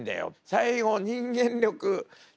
最後人間力。